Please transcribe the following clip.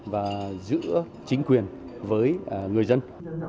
và giữ chính quyền với người dân